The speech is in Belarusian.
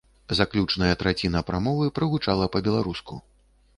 Заключная траціна прамовы прагучала па-беларуску.